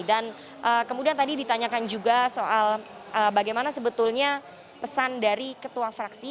dan kemudian tadi ditanyakan juga soal bagaimana sebetulnya pesan dari ketua fraksi